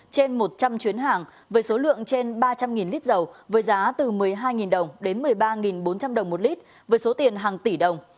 trên một trăm linh chuyến hàng với số lượng trên ba trăm linh lít dầu với giá từ một mươi hai đồng đến một mươi ba bốn trăm linh đồng một lít với số tiền hàng tỷ đồng